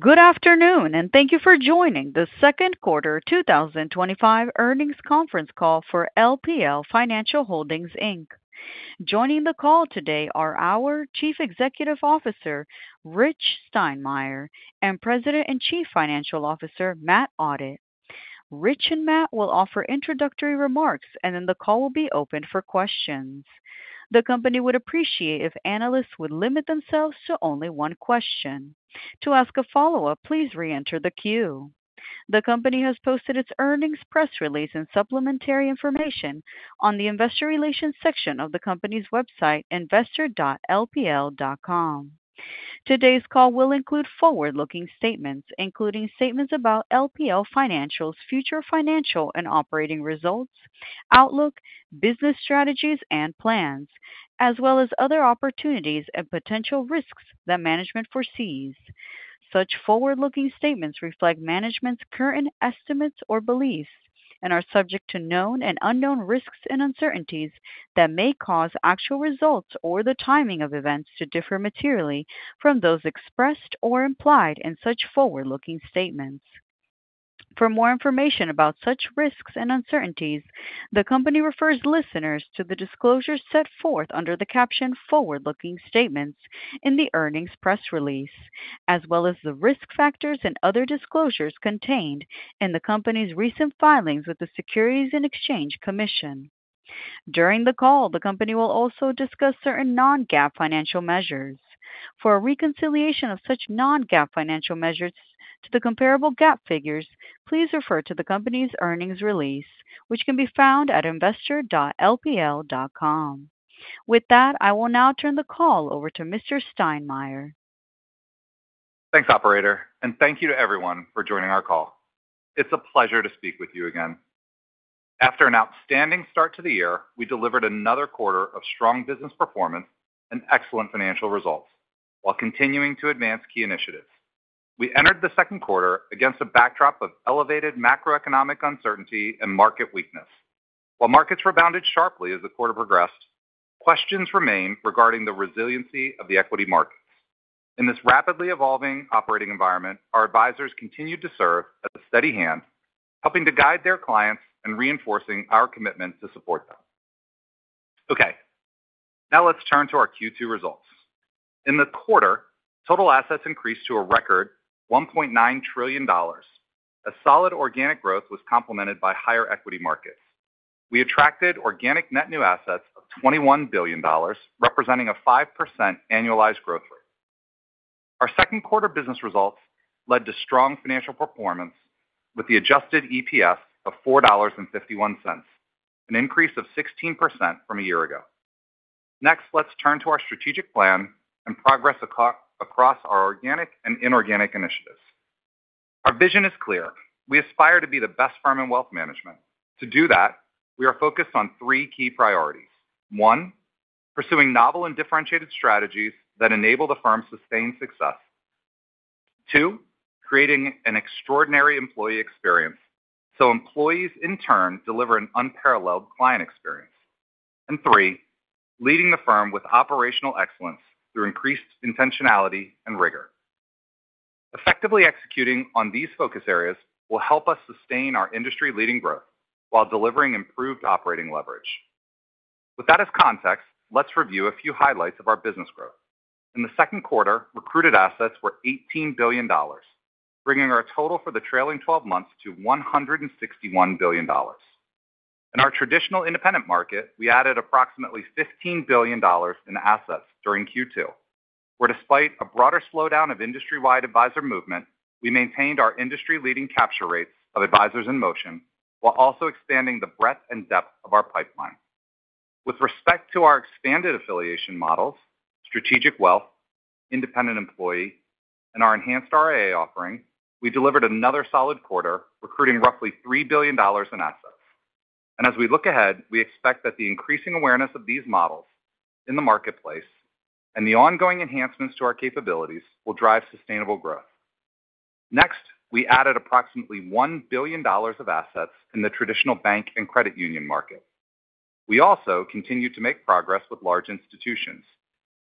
Good afternoon and thank you for joining the Second Quarter 2025 Earnings Conference Call for LPL Financial Holdings Inc. Joining the call today are our Chief Executive Officer Rich Steinmeier and President and Chief Financial Officer Matt Audette. Rich and Matt will offer introductory remarks and then the call will be open for questions. The Company would appreciate if analysts would limit themselves to only one question. To ask a follow up, please re-enter the queue. The Company has posted its earnings press release and supplementary information on the Investor Relations section of the company's website, investor.lpl.com. Today's call will include forward-looking statements, including statements about LPL Financial's future financial and operating results, outlook, business strategies and plans, as well as other opportunities and potential risks that management foresees. Such forward-looking statements reflect management's current estimates or beliefs and are subject to known and unknown risks and uncertainties that may cause actual results or the timing of events to differ materially from those expressed or implied in such forward-looking statements. For more information about such risks and uncertainties, the Company refers listeners to the disclosures set forth under the caption forward-looking statements in the earnings press release as well as the risk factors and other disclosures contained in the Company's recent filings with the Securities and Exchange Commission. During the call, the Company will also discuss certain non-GAAP financial measures. For a reconciliation of such non-GAAP financial measures to the comparable GAAP figures, please refer to the Company's earnings release which can be found at investor.lpl.com. With that, I will now turn the call over to Mr. Steinmeier. Thanks, operator, and thank you to everyone for joining our call. It's a pleasure to speak with you again. After an outstanding start to the year, we delivered another quarter of strong business performance and excellent financial results while continuing to advance key initiatives. We entered the second quarter against a backdrop of elevated macroeconomic uncertainty and market weakness. While markets rebounded sharply as the quarter progressed, questions remain regarding the resiliency of the equity markets in this rapidly evolving operating environment. Our advisors continue to serve a steady hand, helping to guide their clients and reinforcing our commitment to support them. Okay, now let's turn to our Q2 results. In the quarter, total assets increased to a record $1.9 trillion. Solid organic growth was complemented by higher equity markets. We attracted organic net new assets of $21 billion, representing a 5% annualized growth rate. Our second quarter business results led to strong financial performance with the adjusted EPS of $4.51, an increase of 16% from a year ago. Next, let's turn to our strategic plan and progress across our organic and inorganic initiatives. Our vision is clear. We aspire to be the best firm in wealth management. To do that, we are focused on three key priorities: one, pursuing novel and differentiated strategies that enable the firm's sustained success; two, creating an extraordinary employee experience so employees in turn deliver an unparalleled client experience; and three, leading the firm with operational excellence through increased intentionality and rigor. Effectively executing on these focus areas will help us sustain our industry-leading growth while delivering improved operating leverage. With that as context, let's review a few highlights of our business growth in the second quarter. Recruited assets were $18 billion, bringing our total for the trailing 12 months to $161 billion in our traditional independent market. We added approximately $15 billion in assets during Q2 where, despite a broader slowdown of industry-wide advisor movement, we maintained our industry-leading capture rates of advisors in motion while also expanding the breadth and depth of our pipeline. With respect to our expanded affiliation models, Strategic Wealth, Independent Employee, and our enhanced RIA offerings, we delivered another solid quarter recruiting roughly $3 billion in assets. As we look ahead, we expect that the increasing awareness of these models in the marketplace and the ongoing enhancements to our capabilities will drive sustainable growth. Next, we added approximately $1 billion of assets in the traditional bank and credit union market. We also continued to make progress with large institutions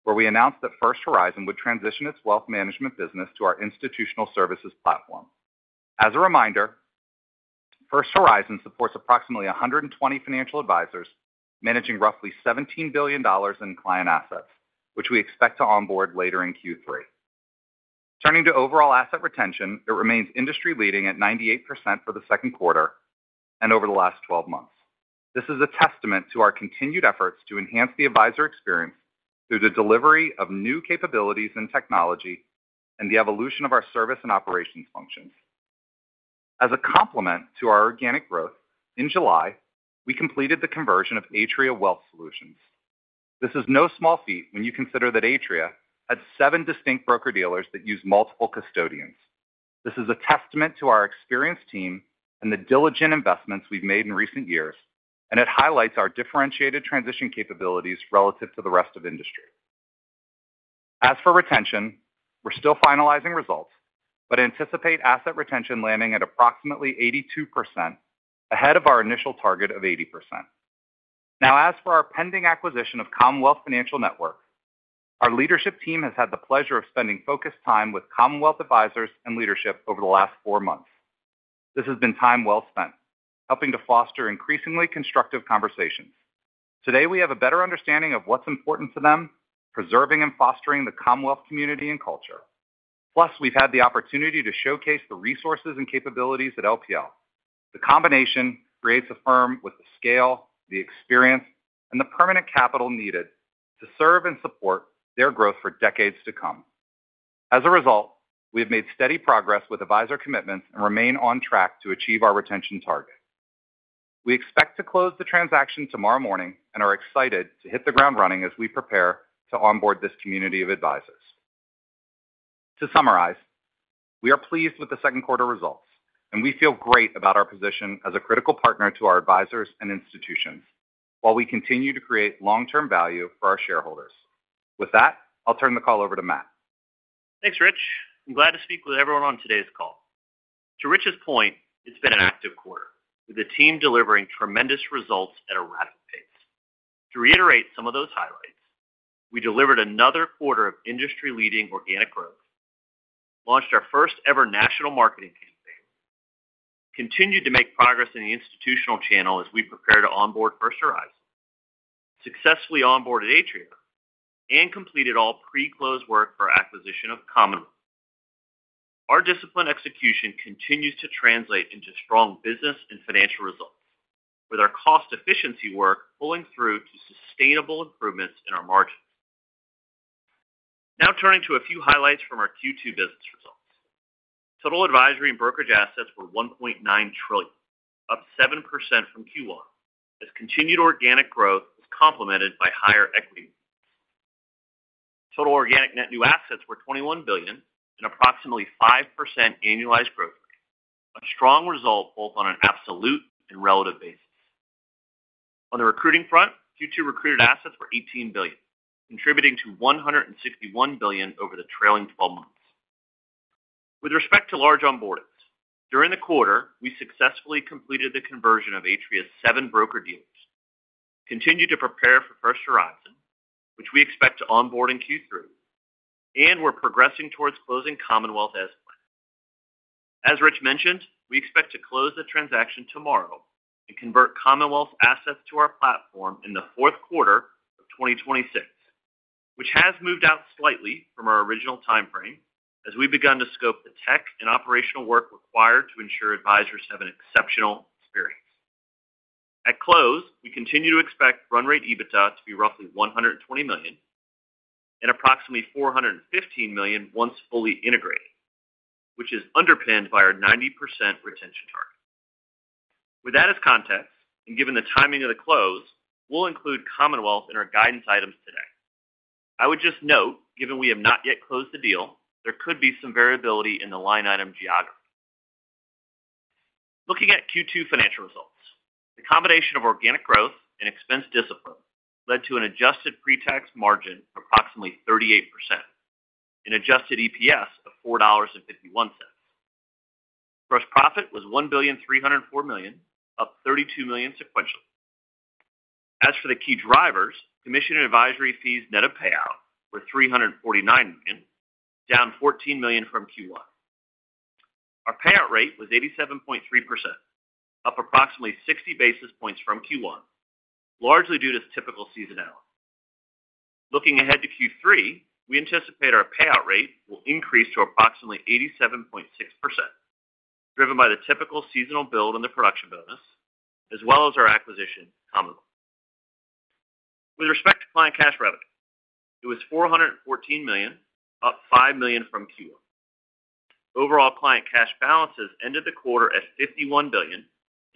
where we announced that First Horizon would transition its wealth management business to our institutional services platform. As a reminder, First Horizon supports approximately 120 financial advisors managing roughly $17 billion in client assets, which we expect to onboard later in Q3. Turning to overall asset retention, it remains industry-leading at 98% for the second quarter and over the last 12 months. This is a testament to our continued efforts to enhance the advisor experience through the delivery of new capabilities and technology and the evolution of our service and operations functions as a complement to our organic growth. In July, we completed the conversion of Atria Wealth Solutions. This is no small feat when you consider that Atria had seven distinct broker-dealers that use multiple custodians. This is a testament to our experienced team and the diligent investments we've made in recent years, and it highlights our differentiated transition capabilities relative to the rest of the industry. As for retention, we're still finalizing results, but anticipate asset retention landing at approximately 82%, ahead of our initial target of 80%. Now, as for our pending acquisition of Commonwealth Financial Network, our leadership team has had the pleasure of spending focused time with Commonwealth advisors and leadership over the last four months. This has been time well spent helping to foster increasingly constructive conversations. Today, we have a better understanding of what's important to them, preserving and fostering the Commonwealth community and culture. Plus, we've had the opportunity to showcase the resources and capabilities at LPL. The combination creates a firm with the scale, the experience, and the permanent capital needed to serve and support their growth for decades to come. As a result, we have made steady progress with advisor commitments and remain on track to achieve our retention target. We expect to close the transaction tomorrow morning and are excited to hit the ground running as we prepare to onboard this community of advisors. To summarize, we are pleased with the second quarter results and we feel great about our position as a critical partner to our advisors and institutions while we continue to create long-term value for our shareholders. With that, I'll turn the call over to Matt. Thanks Rich. I'm glad to speak with everyone on today's call. To Rich's point, it's been an active quarter with the team delivering tremendous results. At a high level, to reiterate some of those highlights, we delivered another quarter of industry-leading organic growth, launched our first ever national marketing campaign, continued to make progress in the institutional channel as we prepare to onboard First Horizon, successfully onboarded Atria, and completed all pre-close work for the acquisition of Commonwealth Financial Network. Our disciplined execution continues to translate into strong business and financial results with our cost efficiency work pulling through to sustainable improvements in our margins. Now turning to a few highlights from our Q2 business results. Total advisory and brokerage assets were $1.9 trillion, up 7% from Q1 as continued organic growth was complemented by higher equity markets. Total organic net new assets were $21 billion and approximately 5% annualized growth rate, a strong result both on an absolute and relative basis. On the recruiting front, Q2 recruited assets were $18 billion, contributing to $161 billion over the trailing 12 months. With respect to large onboardings during the quarter, we successfully completed the conversion of Atria's seven broker-dealers. We continue to prepare for First Horizon, which we expect to onboard in Q3, and we're progressing towards closing Commonwealth Financial Network as planned. As Rich mentioned, we expect to close the transaction tomorrow and convert Commonwealth Financial Network assets to our platform in the fourth quarter of 2026, which has moved out slightly from our original time frame as we've begun to scope the tech and operational work required to ensure advisors have an exceptional experience at close. We continue to expect run-rate EBITDA to be roughly $120 million and approximately $415 million once fully integrated, which is underpinned by our 90% retention target. With that as context and given the timing of the close, we'll include Commonwealth Financial Network in our guidance items today. I would just note, given we have not yet closed the deal, there could be some variability in the line item geography. Looking at Q2 financial results, the combination of organic growth and expense discipline led to an adjusted pre-tax margin of approximately 38% and adjusted EPS of $4.51. Gross profit was $1,304,000,000, up $32 million sequentially. As for the key drivers, commission and advisory fees, net of payout, were $349 million, down $14 million from Q1. Our payout rate was 87.3%, up approximately 60 basis points from Q1, largely due to typical seasonality. Looking ahead to Q3, we anticipate our payout rate will increase to approximately 87.6%, driven by the typical seasonal build in the production business as well as our acquisition of Commonwealth Financial Network. With respect to client cash revenue, it was $414 million, up $5 million from Q1. Overall client cash balances ended the quarter at $51 billion,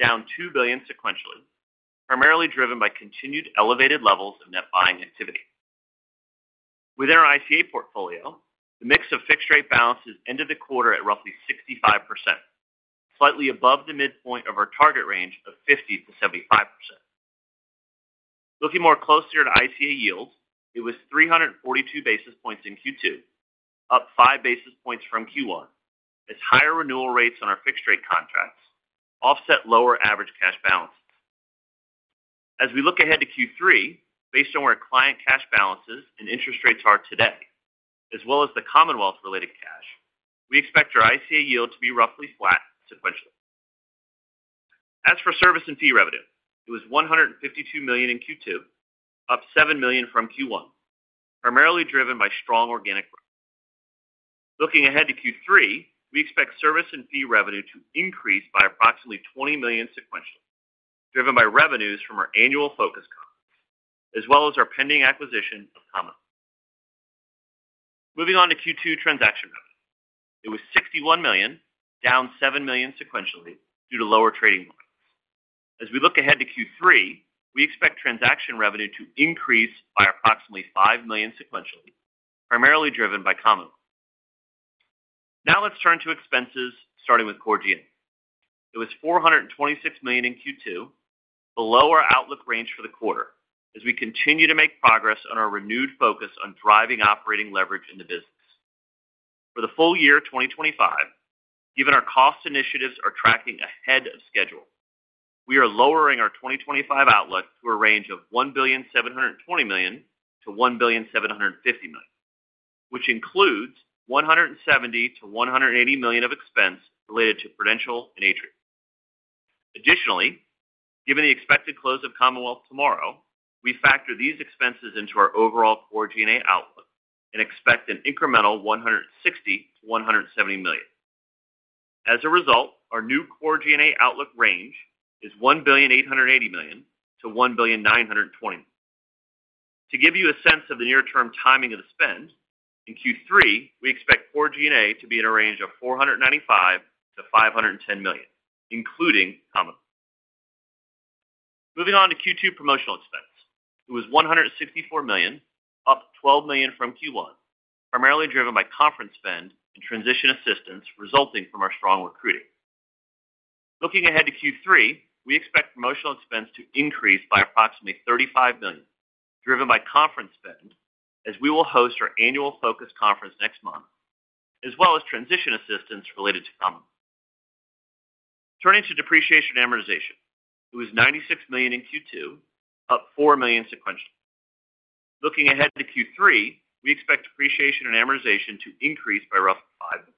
down $2 billion sequentially, primarily driven by continued elevated levels of net buying activity within our ICA portfolio. The mix of fixed rate balances ended the quarter at roughly 65%, slightly above the midpoint of our target range of 50% to 75%. Looking more closely at ICA yields, it was 342 basis points in Q2, up 5 basis points from Q1, as higher renewal rates on our fixed rate contracts offset lower average cash balances. As we look ahead to Q3, based on where client cash balances and interest rates are today as well as the Commonwealth Financial Network related cash, we expect our ICA yield to be roughly flat sequentially. As for service and fee revenue, it was $152 million in Q2, up $7 million from Q1, primarily driven by strong organic growth. Looking ahead to Q3, we expect service and fee revenue to increase by approximately $20 million sequentially, driven by revenues from our annual Focus Conference as well as our pending acquisition of Commonwealth Financial Network. Moving on to Q2 transaction revenue, it was $61 million, down $7 million sequentially due to lower trading. As we look ahead to Q3, we expect transaction revenue to increase by approximately $5 million sequentially, primarily driven by Commonwealth Financial Network. Now let's turn to expenses. Starting with Core G&A, it was $426 million in Q2, below our outlook range for the quarter. As we continue to make progress on our renewed focus on driving operating leverage in the business for the full year 2025, given our cost initiatives are tracking ahead of schedule, we are lowering our 2025 outlook to a range of $1,720,000,000 to [$1.759] billion, which includes $170 million to $180 million of expense related to Prudential Advisors and Atria Wealth Solutions. Additionally, given the expected close of Commonwealth Financial Network tomorrow, we factor these expenses into our overall Core G&A outlook and expect an incremental $160 million to $170 million. As a result, our new Core G&A outlook range is $1,880,000,000 to $1,920,000,000. To give you a sense of the near-term timing of the spend, in Q3 we expect Core G&A to be in a range of $495 million to $510 million, including Commonwealth Financial Network. Moving on to Q2 promotional expense, it was $164 million, up $12 million from Q1, primarily driven by conference spend and transition assistance resulting from our strong recruiting. Looking ahead to Q3, we expect promotional expense to increase by approximately $35 million, driven by conference spend as we will host our annual Focus Conference next month as well as transition assistance related to Commonwealth. Turning to depreciation and amortization, it was $96 million in Q2, up $4 million sequentially. Looking ahead to Q3, we expect depreciation and amortization to increase by roughly $5 million.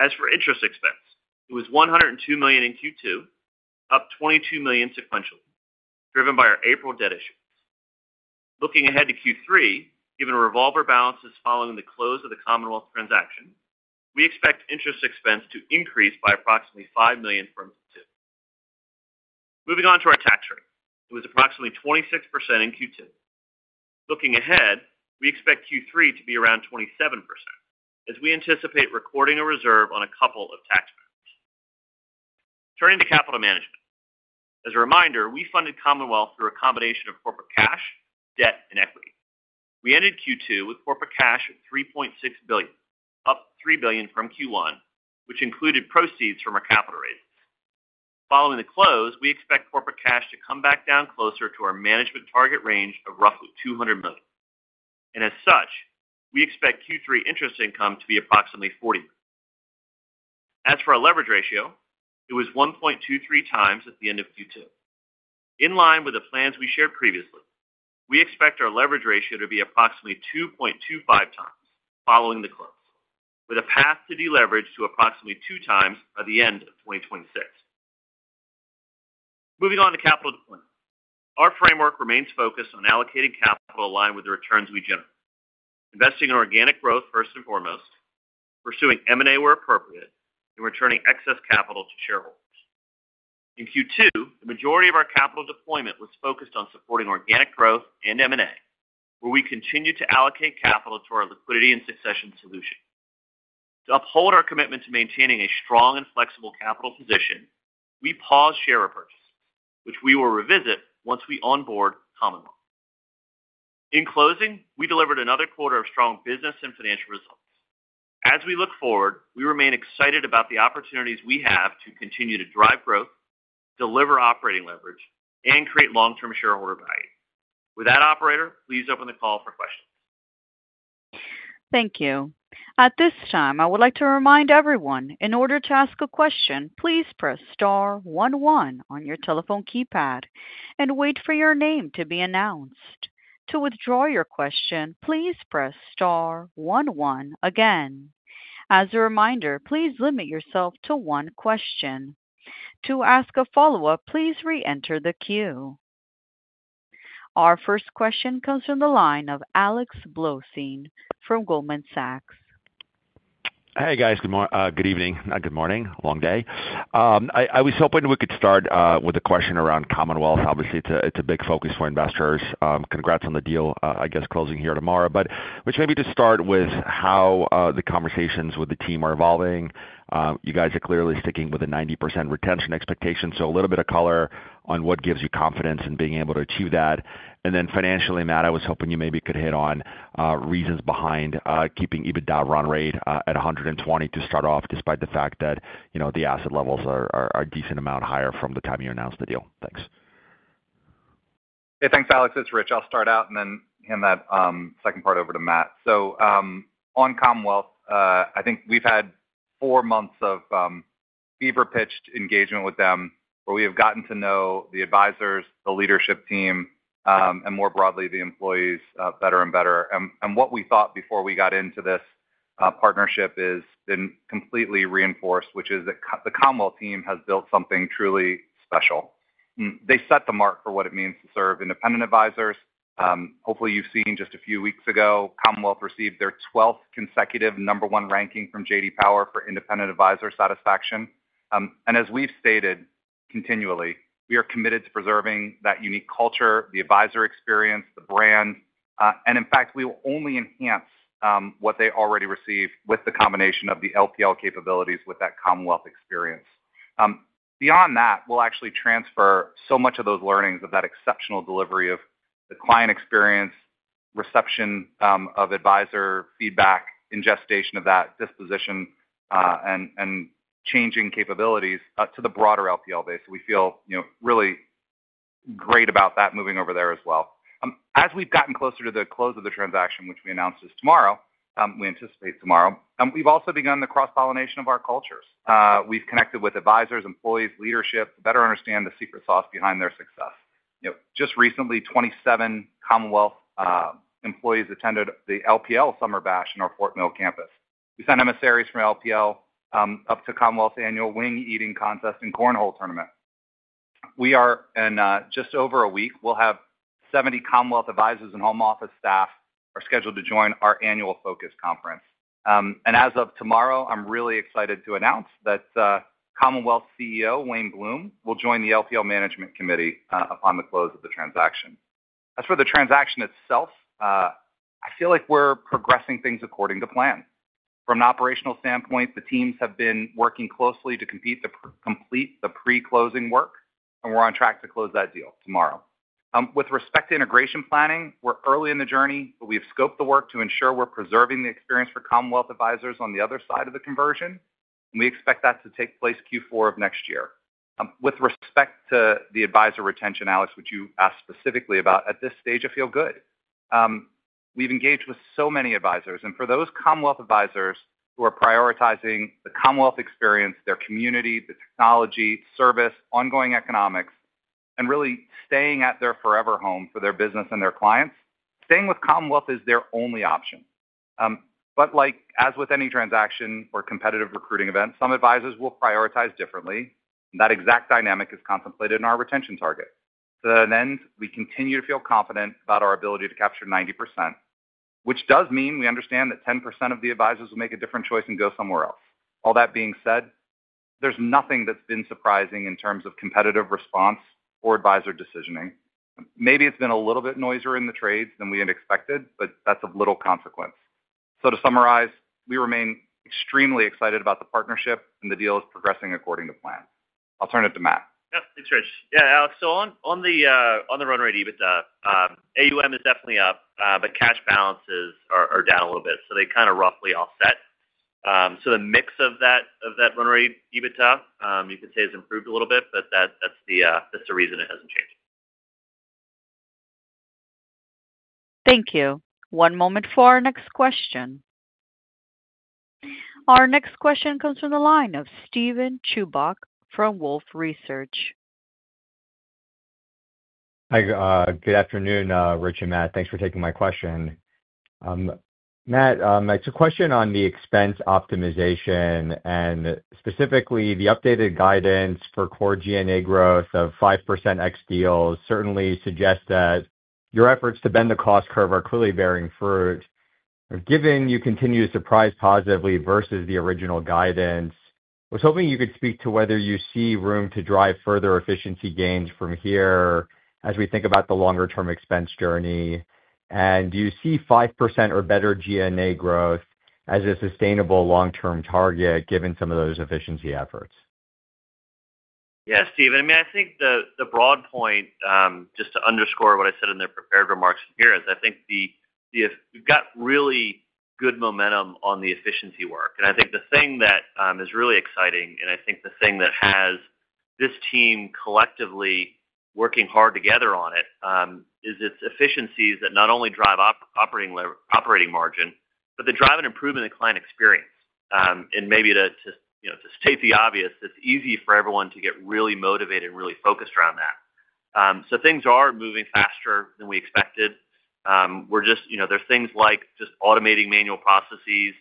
As for interest expense, it was $102 million in Q2, up $22 million sequentially, driven by our April debt issuance. Looking ahead to Q3, given revolver balances following the close of the Commonwealth transaction, we expect interest expense to increase by approximately $5 million. Moving on to our tax rate, it was approximately 26% in Q2. Looking ahead, we expect Q3 to be around 27% as we anticipate recording a reserve on a couple of tax benefits. Turning to capital management, as a reminder, we funded Commonwealth through a combination of corporate cash, debt, and equity. We ended Q2 with corporate cash at $3.6 billion, up $3 billion from Q1, which included proceeds from our capital raise. Following the close, we expect corporate cash to come back down closer to our management target range of roughly $200 million, and as such, we expect Q3 interest income to be approximately $40 million. As for our leverage ratio, it was 1.23 times at the end of Q2, in line with the plans we shared previously. We expect our leverage ratio to be approximately 2.25 times following the close, with a path to deleverage to approximately 2 times by the end of 2026. Moving on to capital deployment, our framework remains focused on allocating capital aligned with the returns we generate, investing in organic growth first and foremost, pursuing M&A where appropriate, and returning excess capital to shareholders. In Q2, the majority of our capital deployment was focused on supporting organic growth and M&A, where we continue to allocate capital to our liquidity and succession solution. To uphold our commitment to maintaining a strong and flexible capital position, we paused share repurchases, which we will revisit once we onboard Commonwealth. In closing, we delivered another quarter of strong business and financial results. As we look forward, we remain excited about the opportunities we have to continue to drive growth, deliver operating leverage, and create long-term shareholder value. With that, operator, please open the call for questions. Thank you. At this time I would like to remind everyone, in order to ask a question, please press star one one on your telephone keypad and wait for your name to be announced. To withdraw your question, please press star one one again. As a reminder, please limit yourself to one question. To ask a follow up, please re-enter the queue. Our first question comes from the line of Alex Blostein from Goldman Sachs. Hey guys, good evening. Not good morning, long day. I was hoping we could start with a question around Commonwealth. Obviously it's a big focus for investors. Congrats on the deal, I guess closing here tomorrow. Maybe to start with how the conversations with the team are evolving, you guys are clearly sticking with a 90% retention expectation. A little bit of color on what gives you confidence in being able to achieve that and then financially, Matt, I was hoping you maybe could hit on reasons behind keeping EBITDA run rate at $120 million to start off, despite the fact that the asset levels are a decent amount higher from the time you announced the deal. Thanks Alex. It's Rich. I'll start out and then hand that second part over to Matt. On Commonwealth, I think we've had four months of fever-pitched engagement with them where we have gotten to know the advisors, the leadership team, and more broadly the employees better and better. What we thought before we got into this partnership has been completely reinforced, which is that the Commonwealth team has built something truly special. They set the mark for what it means to serve independent advisors. Hopefully you've seen just a few weeks ago Commonwealth received their 12th consecutive number one ranking from J.D. Power for independent advisor satisfaction. As we've stated continually, we are committed to preserving that unique culture, the advisor experience, the brand, and in fact we will only enhance what they already receive with the combination of the LPL capabilities with that Commonwealth experience. Beyond that, we'll actually transfer so much of those learnings of that exceptional delivery of the client experience, reception of advisor feedback, ingestion of that disposition, and changing capabilities to the broader LPL base. We feel really great about that moving over there as well. As we've gotten closer to the close of the transaction, which we anticipate tomorrow, we've also begun the cross-pollination of our cultures. We've connected with advisors, employees, leadership to better understand the secret sauce behind their success. Just recently, 27 Commonwealth employees attended the LPL Summer Bash in our Fort Mill campus. We sent emissaries from LPL up to Commonwealth's annual wing eating contest and cornhole tournament. In just over a week, we'll have 70 Commonwealth advisors and home office staff scheduled to join our annual Focus Conference. As of tomorrow, I'm really excited to announce that Commonwealth CEO Wayne Bloom will join the LPL management committee upon the close of the transaction. As for the transaction itself, I feel like we're progressing things according to plan from an operational standpoint. The teams have been working closely to complete the pre-closing work and we're on track to close that deal tomorrow. With respect to integration planning, we're early in the journey but we have scoped the work to ensure we're preserving the experience. For Commonwealth advisors, on the other side of the conversion, we expect that to take place Q4 of next year. With respect to the advisor retention, Alex, which you asked specifically about, at this stage I feel good. We've engaged with so many advisors, and for those Commonwealth advisors who are prioritizing the Commonwealth experience, their community, the technology, service, ongoing economics, and really staying at their forever home for their business and their clients, staying with Commonwealth is their only option. As with any transaction or competitive recruiting event, some advisors will prioritize differently. That exact dynamic is contemplated in our retention target. To that end, we continue to feel confident about our ability to capture 90%, which does mean we understand that 10% of the advisors will make a different choice and go somewhere else. All that being said, there's nothing that's been surprising in terms of competitive response or advisor decisioning. Maybe it's been a little bit noisier in the trades than we had expected, but that's of little consequence. To summarize, we remain extremely excited about the partnership, and the deal is progressing according to plan. I'll turn it to Matt. Thanks, Rich. Yeah, Alex. On the run-rate EBITDA, AUM is definitely up, but cash balances are down a little bit, so they kind of roughly offset. The mix of that run-rate EBITDA, you could say, has improved a little bit, but that's the reason it hasn't changed. Thank you. One moment for our next question. Our next question comes from the line of Steven Chubak from Wolfe Research. Hi, good afternoon, Rich and Matt. Thanks for taking my question, Matt. It's a question on the expense optimization, and specifically the updated guidance for Core G&A growth of 5% ex deals certainly suggests your efforts to bend the cost curve are clearly bearing fruit, given you continue to surprise positively versus the original guidance. I was hoping you could speak to. Whether you see room to drive further efficiency gains from here as we think about the longer term expense journey. Do you see 5% or better Core G&A growth as a sustainable long term target given some of those efficiency efforts? Yes, Steven. I mean, I think the broad point, just to underscore what I said in the prepared remarks here, is I think we've got really good momentum on the efficiency work. I think the thing that is really exciting, and the thing that has this team collectively working hard together on it, is its efficiencies that not only drive operating margin but they drive an improvement in client experience. Maybe to state the obvious, it's easy for everyone to get really motivated and really focused around that. Things are moving faster than we expected. There are things like just automating manual processes in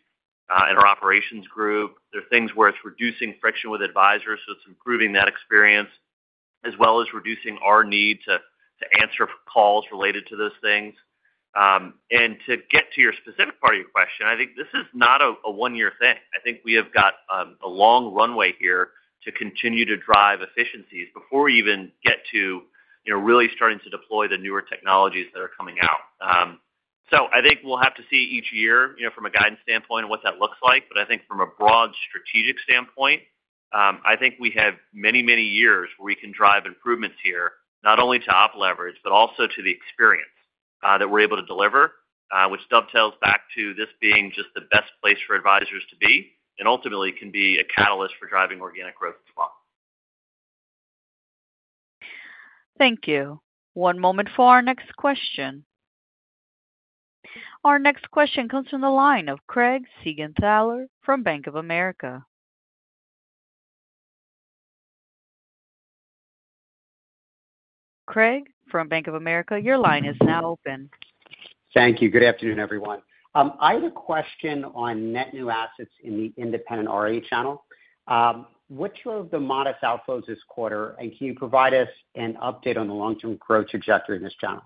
our operations group. There are things where it's reducing friction with advisors, so it's improving that experience as well as reducing our need to answer calls related to those things. To get to your specific part of your question, I think this is not a one-year thing. I think we have got a long runway here to continue to drive efficiencies before we even get to really starting to deploy the newer technologies that are coming out. I think we'll have to see each year from a guidance standpoint what that looks like. From a broad strategic standpoint, I think we have many, many years where we can drive improvements here not only to operating leverage but also to the experience that we're able to deliver, which dovetails back to this being just the best place for advisors to be and ultimately can be a catalyst for driving organic growth as well. Thank you. One moment for our next question. Our next question comes from the line of Craig Siegenthaler from Bank of America. Craig from Bank of America, your line is now open. Thank you. Good afternoon, everyone. I have a question on net new assets in the independent RIA channel. What drove the modest outflows this quarter? Can you provide us an update on the long term growth trajectory in this channel?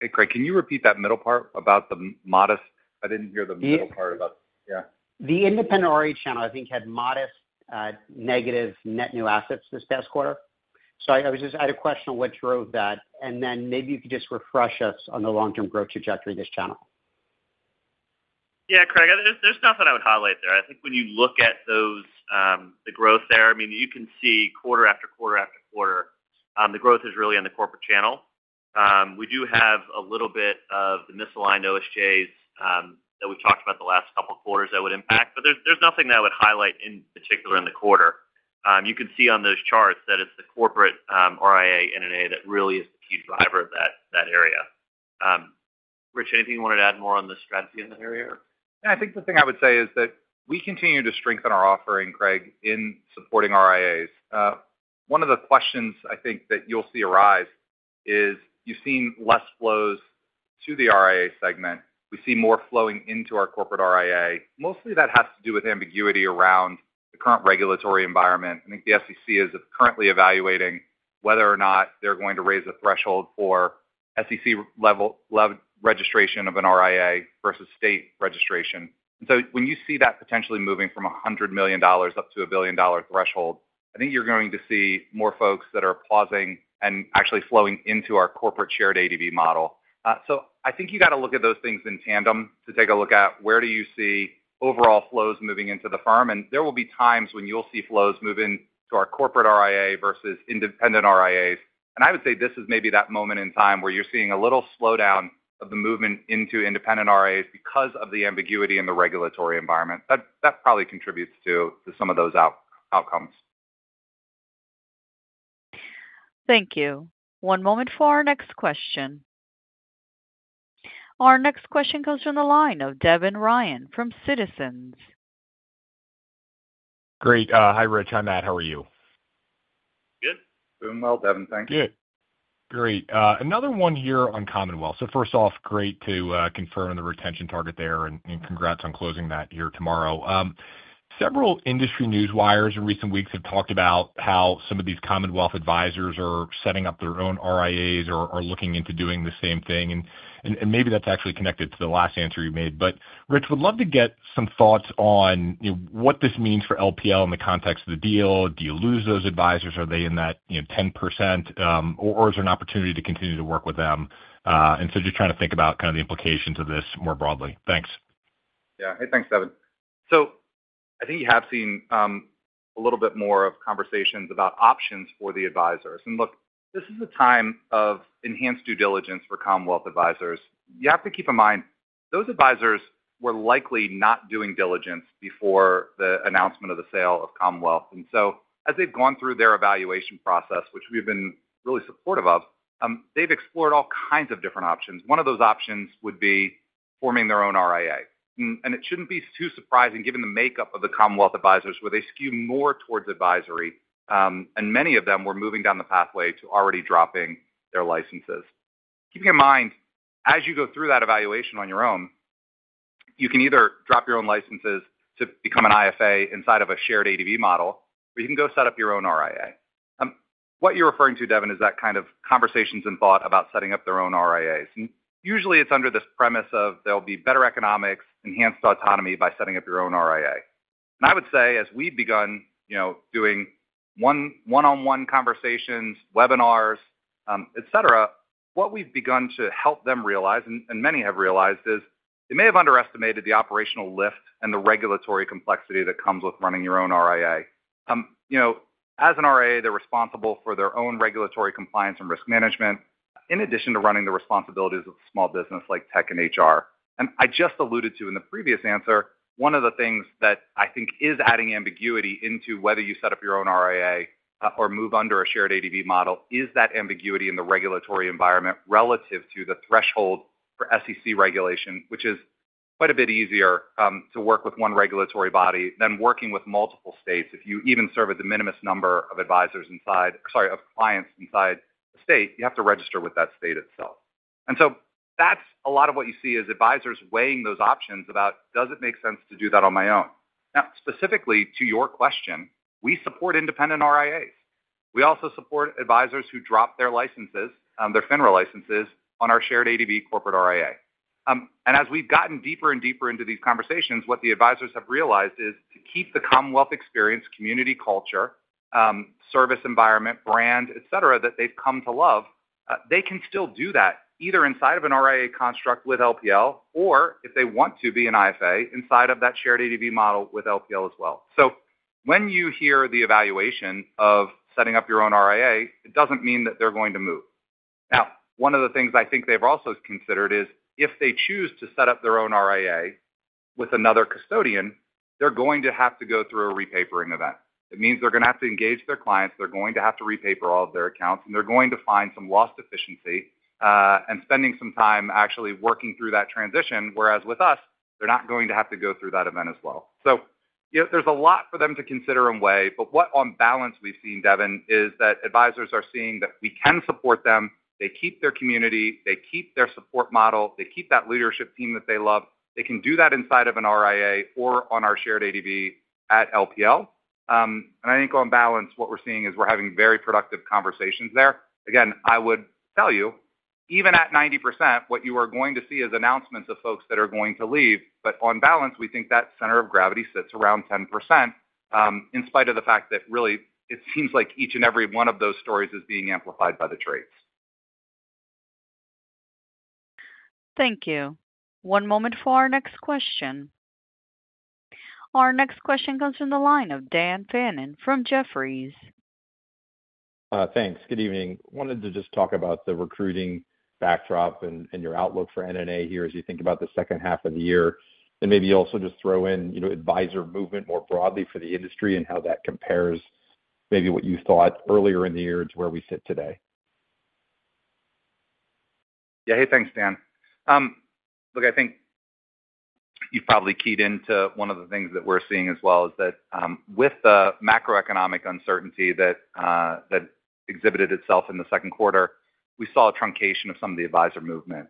Hey Craig, can you repeat that middle part about the modest? I didn't hear the middle part. The independent RIA channel I think had modest negative net new assets this past quarter. I had a question on what drove that and then maybe you could just refresh us on the long term growth trajectory of this channel. Yeah, Craig, there's nothing I would highlight there. I think when you look at those, the growth there, I mean you can see quarter after quarter after quarter, the growth is really in the corporate channel. We do have a little bit of the misaligned OSJs that we've talked about the last couple quarters that would impact, but there's nothing that I would highlight in particular in the quarter. You can see on those charts that it's the corporate RIA NNA that really is the key driver of that area. Rich, anything you wanted to add more on the strategy in that area? I think the thing I would say is that we continue to strengthen our offering. Craig, in supporting RIAs, one of the questions I think that you'll see arise is you've seen less flows to the RIA segment. We see more flowing into our corporate RIA. Mostly that has to do with ambiguity around the current regulatory environment. I think the SEC is currently evaluating whether or not they're going to raise a threshold for SEC registration of an RIA versus state registration. When you see that potentially moving from $100 million up to a $1 billion threshold, I think you're going to see more folks that are pausing and actually flowing into our corporate shared ADV model. I think you got to look at those things in tandem to take a look at where do you see overall flows moving into the firm. There will be times when you'll see flows move in to our corporate RIA versus independent RIAs. I would say this is maybe that moment in time where you're seeing a little slowdown of the movement into independent RIAs because of the ambiguity in the regulatory environment that probably contributes to some of those outcomes. Thank you. One moment for our next question. Our next question comes from the line of Devin Ryan from Citizens JMP Securities. Great. Hi Rich. Hi Matt. How are you? Good. Doing well, Devin. Thank you. Great. Another one here on Commonwealth. First off, great to confirm the retention target there and congrats on closing that tomorrow. Several industry news wires in recent weeks have talked about how some of these Commonwealth advisors are setting up their own RIAs or are looking into doing the same thing. Maybe that's actually connected to the last answer you made. Rich, would love to get some thoughts on what this means for LPL in the context of the deal. Do you lose those advisors? Are they in that 10% or is there an opportunity to continue to work with them? Just trying to think about the implications of this more broadly. Thanks. Thanks, Devin. I think you have seen a little bit more of conversations about options for the advisors. Look, this is a time of enhanced due diligence for Commonwealth Financial Network advisors. You have to keep in mind those advisors were likely not doing diligence before the announcement of the sale of Commonwealth Financial Network. As they've gone through their evaluation process, which we've been really supportive of, they've explored all kinds of different options. One of those options would be forming their own RIA. It shouldn't be too surprising given the makeup of the Commonwealth Financial Network advisors, where they skew more towards advisory, and many of them were moving down the pathway to already dropping. Keeping in mind as you go through that evaluation on your own, you can either drop your own licenses to become an IFA inside of a shared ADV model, or you can go set up your own RIA. What you're referring to, Devin, is that kind of conversations and thought about setting up their own RIAs. Usually it's under this premise of there'll be better economics, enhanced autonomy by setting up your own RIA. I would say as we've begun doing one-on-one conversations, webinars, et cetera, what we've begun to help them realize, and many have realized, is they may have underestimated the operational lift and the regulatory complexity that comes with running your own RIA. As an RIA, they're responsible for their own regulatory compliance and risk management in addition to running the responsibilities of a small business like tech and HR. As I just alluded to in the previous answer, one of the things that I think is adding ambiguity into whether you set up your own RIA or move under a shared ADV model is that ambiguity in the regulatory environment relative to the threshold for SEC regulation, which is quite a bit easier to work with one regulatory body than working with multiple states. If you even serve at the de minimis number of clients inside the state, you have to register with that state itself. That's a lot of what you see is advisors weighing those options about does it make sense to do that on my own. Now, specifically to your question, we support independent RIAs. We also support advisors who drop their licenses, their FINRA licenses, on our shared ADV corporate RIA. As we've gotten deeper and deeper into these conversations, what the advisors have realized is to keep the Commonwealth experience, community, culture, service, environment, brand, et cetera that they've come to love, they can still do that either inside of an RIA construct with LPL or if they want to be an IFA inside of that shared ADV model with LPL as well. When you hear the evaluation of setting up your own RIA, it doesn't mean that they're going to move. One of the things I think they've also considered is if they choose to set up their own RIA with another custodian, they're going to have to go through a repapering event. It means they're going to have to engage their clients, they're going to have to repaper all of their accounts, and they're going to find some lost efficiency and spend some time actually working through that transition, whereas with us, they're not going to have to go through that event as well. There's a lot for them to consider and weigh. On balance, we've seen, Devin, that advisors are seeing that we can support them. They keep their community, they keep their support model, they keep that leadership team that they love. They can do that inside of an RIA or on our shared ADV at LPL. On balance, what we're seeing is we're having very productive conversations there. I would tell you, even at 90%, what you are going to see is announcements of folks that are going to leave. On balance, we think that center of gravity sits around 10% in spite of the fact that really it seems like each and every one of those stories is being amplified by the trades. Thank you. One moment for our next question. Our next question comes from the line of Dan Fannon from Jefferies. Thanks. Good evening. Wanted to just talk about the recruiting backdrop and your outlook for NNA here. As you think about the second half. Of the year, and maybe also just throw in advisor movement more broadly for the industry and how that compares, maybe what you thought earlier in the year. To where we sit today. Yeah. Hey, thanks Dan. Look, I think you've probably keyed into one of the things that we're seeing as well is that with the macroeconomic uncertainty that exhibited itself in the second quarter, we saw a truncation of some of the advisor movement.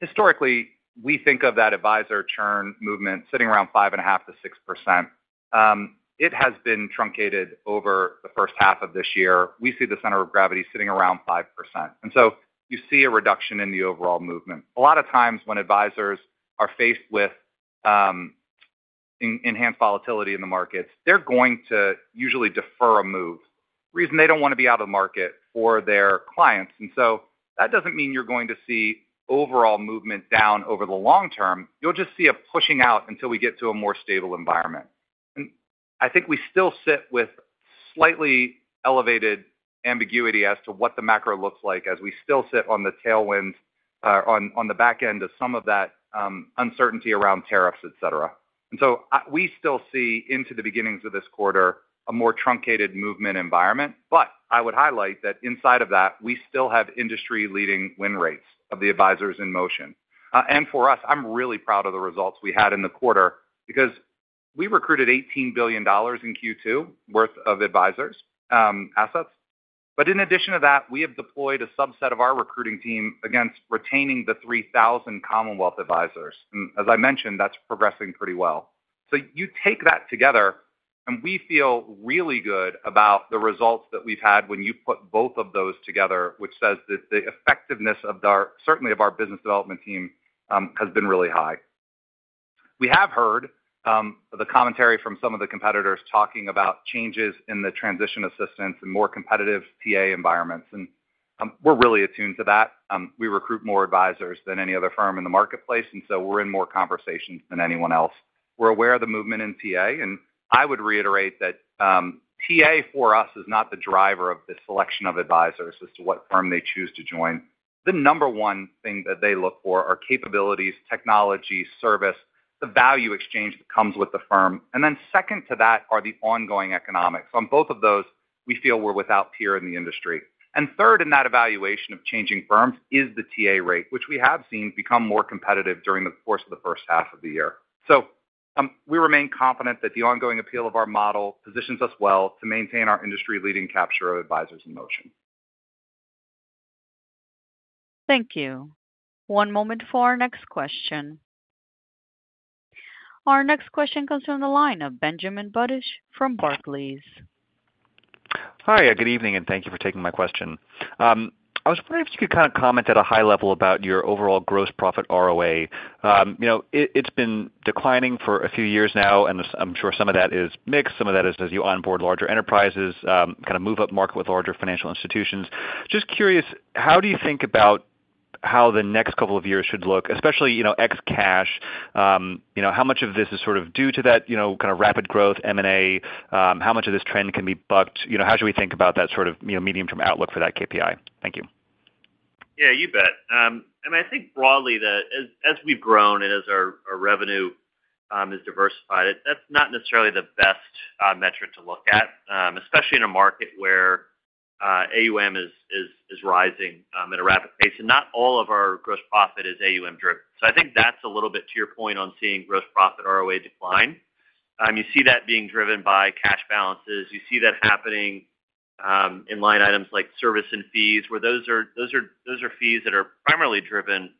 Historically, we think of that advisor churn movement sitting around 5.5% to 6%. It has been truncated over the first half of this year. We see the center of gravity sitting around 5%. You see a reduction in the overall movement. A lot of times when advisors are faced with enhanced volatility in the markets, they're going to usually defer a movement reason. They don't want to be out of the market for their clients. That doesn't mean you're going to see overall movement down over the long term. You'll just see a pushing out until we get to a more stable environment. I think we still sit with slightly elevated ambiguity as to what the macro looks like as we still sit on the tailwind on the back end of some of that uncertainty around tariffs, et cetera. We still see into the beginnings of this quarter a more truncated movement environment. I would highlight that inside of that we still have industry-leading win rates of the advisors in motion. For us, I'm really proud of the results we had in the quarter because we recruited $18 billion in Q2 worth of advisor assets. In addition to that, we have deployed a subset of our recruiting team against retaining the 3,000 Commonwealth advisors. As I mentioned, that's progressing pretty well. You take that together and we feel really good about the results that we've had when you put both of those together, which says that the effectiveness of certainly of our business development team has been really high. We have heard the commentary from some of the competitors talking about changes in the transition assistance and more competitive TA environments and we're really attuned to that. We recruit more advisors than any other firm in the marketplace and we're in more conversations than anyone else. We're aware of the movement in TA and I would reiterate that TA for us is not the driver of the selection of advisors as to what firm they choose to join. The number one thing that they look for are capabilities, technology, service, the value exchange that comes with the firm. Second to that are the ongoing economics. On both of those we feel we're without peer in the industry. Third in that evaluation of changing firms is the TA rate, which we have seen become more competitive during the course of the first half of the year. We remain confident that the ongoing appeal of our model positions us well to maintain our industry-leading capture of advisors in motion. Thank you. One moment for our next question. Our next question comes from the line of Benjamin Budish from Barclays. Hi, good evening, and thank you for taking my question. I was wondering if you could comment at a high level about your overall gross profit ROA. It's been declining for a few years now. I'm sure some of that is mix. Some of that is as you onboard larger enterprises, move up market with larger financial institutions. Just curious, how do you think about? How the next couple of years should look, especially ex cash? How much of this is due to? That rapid growth, how much of this trend can be bucked? How should we think about that medium-term outlook for that KPI? Thank you. Yeah, you bet. I think broadly that as we've grown and as our revenue is diversified, that's not necessarily the best metric to look at, especially in a market where AUM is rising at a rapid pace and not all of our gross profit is AUM driven. I think that's a little bit to your point. On seeing gross profit ROA decline, you see that being driven by cash balances. You see that happening in line items like service and fees, where those are fees that are primarily driven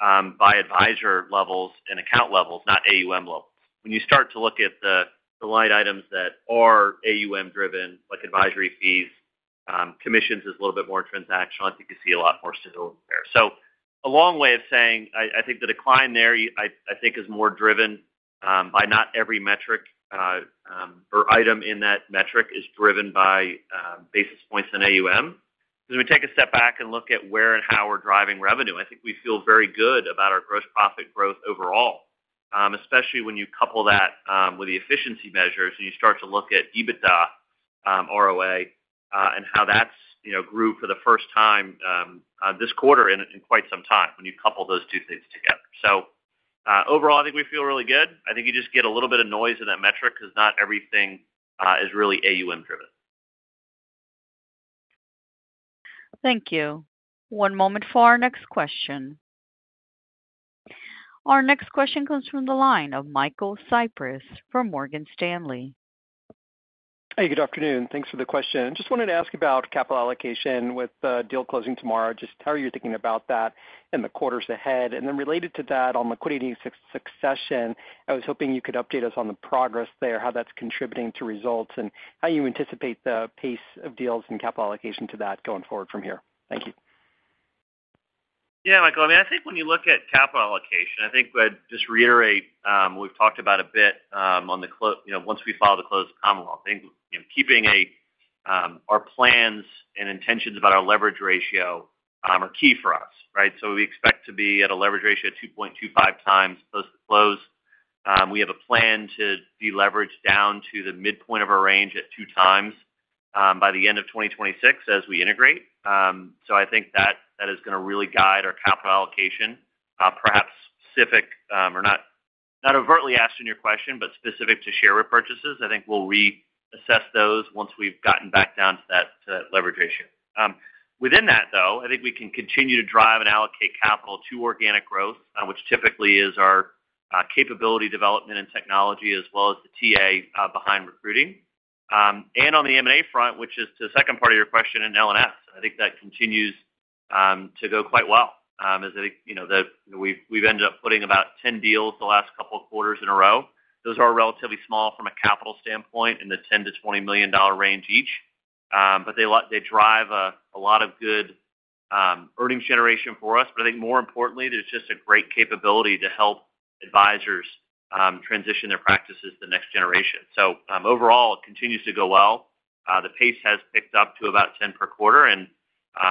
by advisor levels and account levels, not AUM level. When you start to look at the line items that are AUM driven, like advisory fees, commissions is a little bit more transactional. I think you see a lot more stability there. A long way of saying I think the decline there is more driven by not every metric or item in that metric being driven by basis points. In AUM we take a step back and look at where and how we're driving revenue. I think we feel very good about our gross profit growth overall, especially when you couple that with the efficiency measures and you start to look at EBITDA ROA and how that grew for the first time this quarter in quite some time when you couple those two things together. Overall I think we feel really good. I think you just get a little bit of noise in that metric because not everything is really AUM driven. Thank you. One moment for our next question. Our next question comes from the line of Michael Cyprys from Morgan Stanley. Hey, good afternoon. Thanks for the question. Just wanted to ask about capital allocation. With the deal closing tomorrow, how are you thinking about that in the quarters ahead, and related to that on liquidity succession, I was hoping you could update us on the progress there, how that's contributing to results, and how you anticipate the pace of deals and capital allocation to that going forward from here. Thank you. Yeah, Michael, I mean I think when you look at capital allocation, I think just reiterate, we've talked about a bit on the, you know, once we file the close Commonwealth Financial Network thing, keeping our plans and intentions about our leverage ratio are key for us. Right. We expect to be at a leverage ratio 2.25 times close to close. We have a plan to deleverage down to the midpoint of our range at 2 times by the end of 2026 as we integrate. I think that is going to really guide our capital allocation. Perhaps specific or not overtly asked in your question, but specific to share repurchases. I think we'll reassess those once we've gotten back down to that leverage ratio. Within that though, I think we can continue to drive and allocate capital to organic growth, which typically is our capability, development and technology, as well as the transition assistance behind recruiting and on the M&A front, which is to the. Second part of your question. In L and S, I think that continues to go quite well. We've ended up putting about 10 deals the last couple of quarters in a row. Those are relatively small from a capital standpoint in the $10 to $20 million range each, but they drive a lot of good earnings generation for us. More importantly, there's just a great capability to help advisors transition their practices to the next generation. Overall, it continues to go well. The pace has picked up to about 10 per quarter, and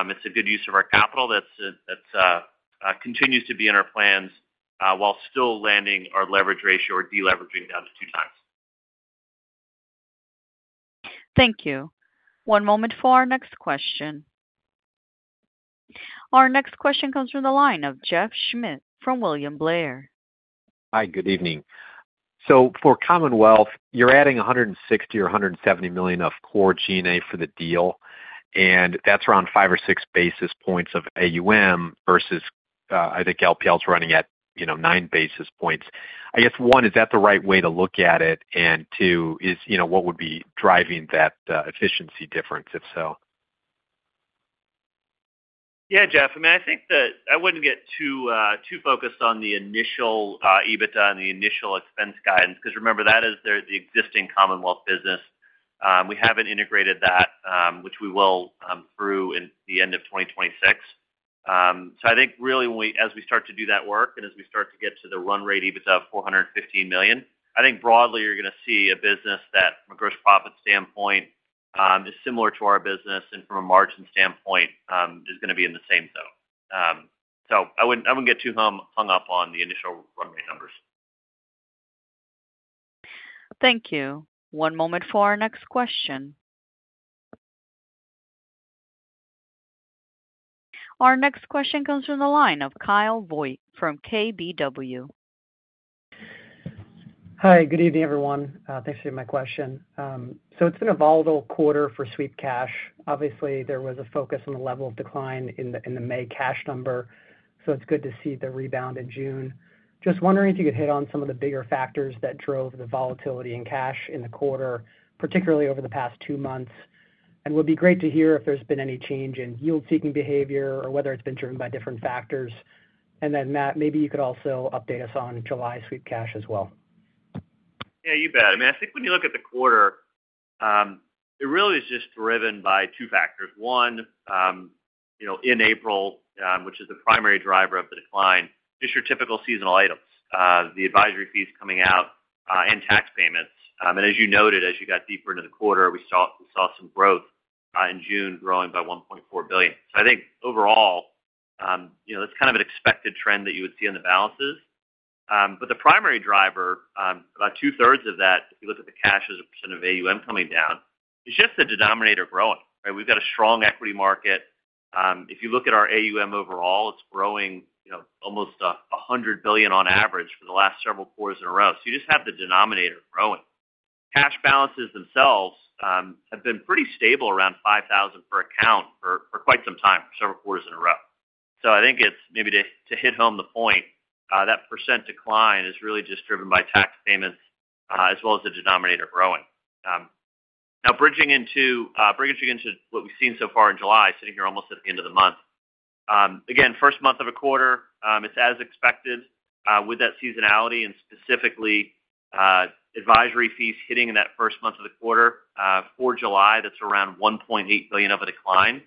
it's a good use of our capital that continues to be in our plans while still landing our leverage ratio or deleveraging down to two times. Thank you. One moment for our next question. Our next question comes from the line of Jeff Schmitt from William Blair. Hi, good evening. For Commonwealth, you're adding $160 million or $170 million of Core G&A for the deal, and that's around 5 or 6 basis points of AUM versus I think LPL is running at 9 basis points. I guess, one, is that the right way to look at it? Two, what would be driving that efficiency difference? Yeah, Jeff, I mean I think that I wouldn't get too focused on the initial EBITDA and the initial expense guidance because remember that is the existing Commonwealth Financial Network business. We haven't integrated that, which we will through the end of 2026. I think really as we start to do that work and as we start to get to the run-rate EBITDA of $415 million, broadly you're going to see a business that from a gross profit standpoint is similar to our business, and from a margin standpoint is going to be in the same zone. I wouldn't get too hung up on the initial run-rate numbers. Thank you. One moment for our next question. Our next question comes from the line of Kyle Voigt from Keefe Bruyette & Woods. Hi, good evening everyone. Thanks for my question. It's been a volatile quarter for sweep cash. Obviously, there was a focus on the level of decline in the May cash number. It's good to see the rebound in June. Could you hit on some of the bigger factors that drove the volatility in cash in the quarter, particularly over the past two months? Would be great to hear if there's been any change in yield seeking behavior or whether it's been driven by different factors. Matt, maybe you could also update us on July sweep Cash as well. Yeah, you bet. I think when you look at the quarter, it really is just driven by two factors. One in April, which is the primary driver of the decline, just your typical seasonal items, the advisory fees coming out and tax payments. As you noted, as you got deeper into the quarter, we saw some growth in June, growing by $1.4 billion. I think overall that's kind of an expected trend that you would see on the balances. The primary driver, about 2/3 of that, if you look at the cash as a percent of AUM coming down, it's just the denominator growing. We've got a strong equity market. If you look at our AUM overall, it's growing almost $100 billion on average for the last several quarters in a row. You just have the denominator growing. Cash balances themselves have been pretty stable, around $5,000 per account for quite some time, several quarters in a row. I think it's maybe to hit home the point that percent decline is really just driven by tax payments as well as the denominator growing. Now, bridging into what we've seen so far in July, sitting here almost at the end of the month, again, first month of a quarter, it's as expected with that seasonality and specifically advisory fees hitting in that first month of the quarter. For July, that's around $1.8 billion of a decline.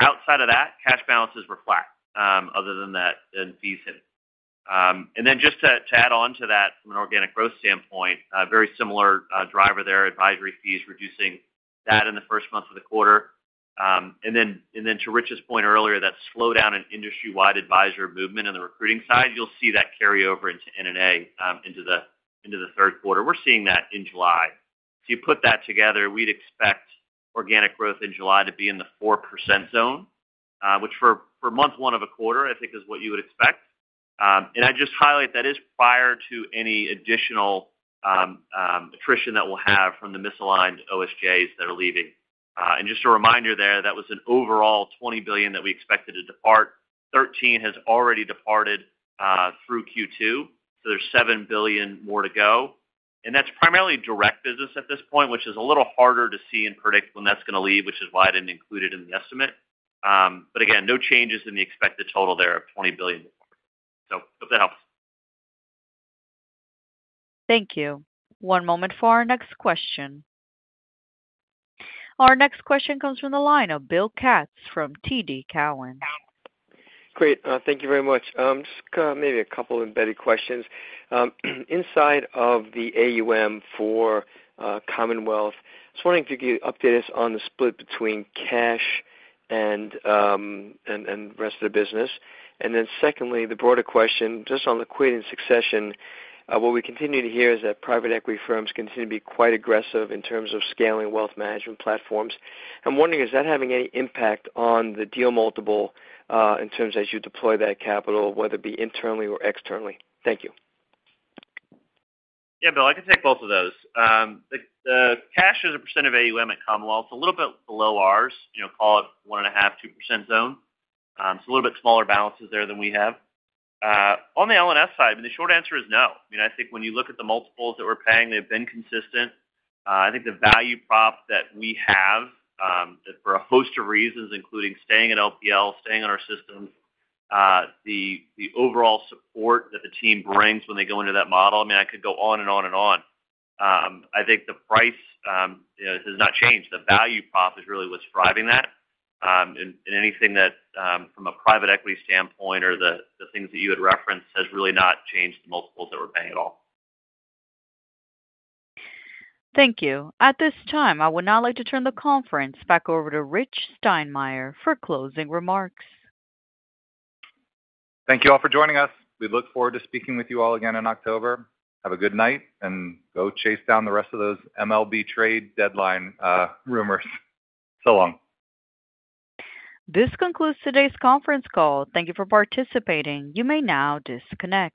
Outside of that, cash balances were flat other than fees hitting. Just to add on to that, from an organic growth standpoint, very similar driver there, advisory fees reducing that in the first month of the quarter. To Rich's point earlier, that slowdown in industry-wide advisor movement in the recruiting side, you'll see that carry over into net new assets into the third quarter. We're seeing that in July. You put that together, we'd expect organic growth in July to be in the 4% zone, which for month one of a quarter I think is what you would expect. I just highlight that is prior to any additional attrition that we'll have from the misaligned OSJs that are leaving. Just a reminder there, that was an overall $20 billion that we expected to depart. $13 billion has already departed through Q2, so there's $7 billion more to go. That's primarily direct business at this point, which is a little harder to see and predict when that's going to leave, which is why I didn't include it in the estimate. Again, no changes in the expected total there of $20 billion. Hope that helps. Thank you. One moment for our next question. Our next question comes from the line of Bill Katz from TD Cowen. Great. Thank you very much. Just maybe a couple embedded questions inside of the AUM for Commonwealth. Just wondering if you could update us on the split between cash and the rest of the business. Secondly, the broader question just on liquidity and succession, what we continue to hear is that private equity firms continue to be quite aggressive in terms of scaling wealth management platforms. I'm wondering is that having any impact on the deal multiple in terms as you deploy that capital, whether it be internally or externally? Thank you. Yeah, Bill, I can take both of those. The cash as a percent of AUM at Commonwealth, it's a little bit below ours. Call it 1.5%, 2% zone. A little bit smaller balances there than we have on the LPL and Strategic Wealth side. The short answer is no. I think when you look at the multiples that we're paying, they've been consistent. I think the value prop that we have for a host of reasons including staying at LPL, staying on our systems, the overall support that the team brings when they go into that model, I mean, I could go on and on and on. I think the price has not changed. The value prop is really what's driving that. Anything that from a private equity standpoint or the things that you had referenced has really not changed the multiples that we're paying at all. Thank you. At this time, I would now like to turn the conference back over to Rich Steinmeier for closing remarks. Thank you all for joining us. We look forward to speaking with you all again in October. Have a good night and go chase down the rest of those MLB trade deadline rumors. So long. This concludes today's conference call. Thank you for participating. You may now disconnect.